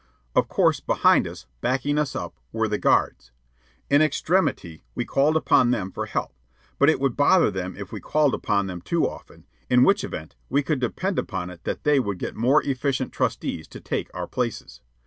Of course, behind us, backing us up, were the guards. In extremity we called upon them for help; but it would bother them if we called upon them too often, in which event we could depend upon it that they would get more efficient trusties to take our places.